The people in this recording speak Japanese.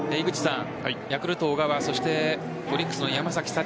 ヤクルト・小川そしてオリックスの山崎福